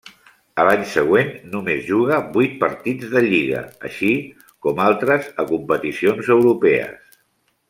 A l'any següent només juga vuit partits de lliga, així com altres a competicions europees.